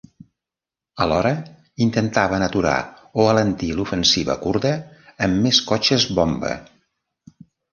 Alhora, intentaven aturar o alentir l'ofensiva kurda amb més cotxes bomba.